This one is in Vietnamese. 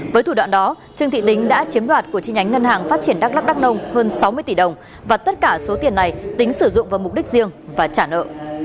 với thủ đoạn đó trương thị đính đã chiếm đoạt của chi nhánh ngân hàng phát triển đắk lắc đắk nông hơn sáu mươi tỷ đồng và tất cả số tiền này tính sử dụng vào mục đích riêng và trả nợ